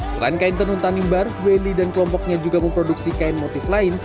selain kain tenun tanimbar welly dan kelompoknya juga memproduksi kain motif lain